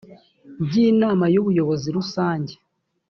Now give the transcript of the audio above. by inama y ubuyobozi rusange